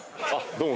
どうも。